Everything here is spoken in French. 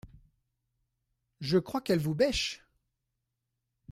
Je crois qu’elle vous bêche !